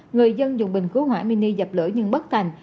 người dân dùng bình cứu hỏa mini dập lửa nhưng bất thành